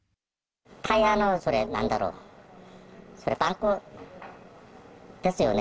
タイヤのなんだろう、それ、パンクですよね。